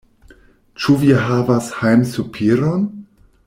Ĉu vi havas hejmsopiron?